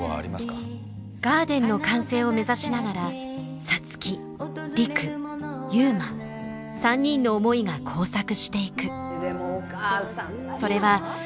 ガーデンの完成を目指しながら皐月陸悠磨３人の思いが交錯していく。